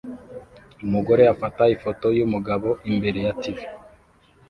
Umugore afata ifoto yumugabo imbere ya TV